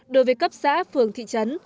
đối với cấp xã phường thị trấn